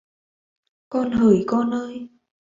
Con hởi con ơi!